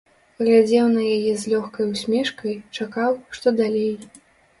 Глядзеў на яе з лёгкай усмешкай, чакаў, што далей.